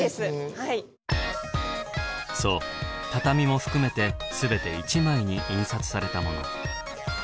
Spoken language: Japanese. そう畳も含めて全て１枚に印刷されたもの。